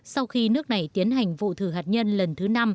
sau khi nước này tiến hành vụ thử hạt nhân lần thứ năm